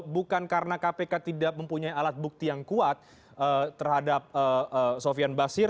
bukan karena kpk tidak mempunyai alat bukti yang kuat terhadap sofian basir